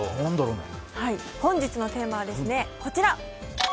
本日のテーマはこちら。